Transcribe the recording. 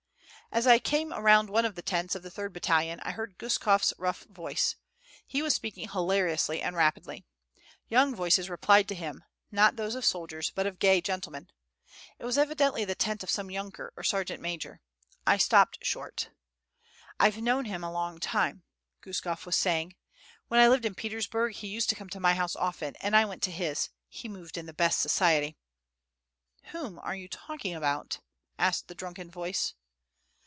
As I came around one of the tents of the third battalion, I heard Guskof's rough voice: he was speaking hilariously and rapidly. Young voices replied to him, not those of soldiers, but of gay gentlemen. It was evidently the tent of some yunker or sergeant major. I stopped short. "I've known him a long time," Guskof was saying. "When I lived in Petersburg, he used to come to my house often; and I went to his. He moved in the best society." "Whom are you talking about?" asked the drunken voice.